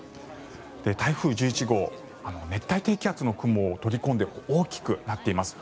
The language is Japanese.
台風１１号熱帯低気圧の雲を取り込んで大きくなっています。